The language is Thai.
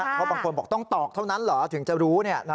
เพราะบางคนบอกต้องตอกเท่านั้นเหรอถึงจะรู้